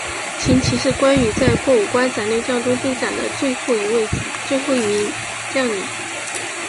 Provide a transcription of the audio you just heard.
秦琪是关羽在过五关斩六将中被斩的最后一名将领。